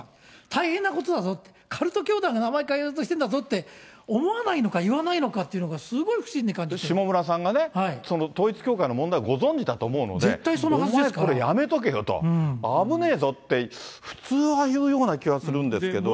大変なことだぞ、カルト教団が名前変えようとしてるんだぞって、思わないのか、言わないのか、不下村さんがね、その統一教会の問題をご存じだと思うので、お前、これやめとけよと、あぶねぇぞって、普通は言うような気がするんですけど。